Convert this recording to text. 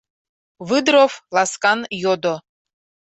— Выдров ласкан йодо.